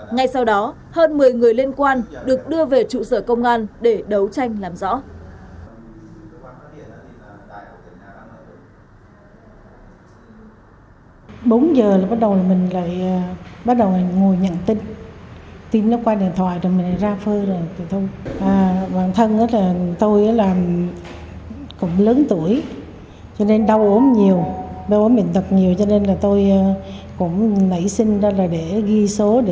ngay sau đó hơn một mươi người liên quan được đưa về trụ sở công an để đấu tranh làm rõ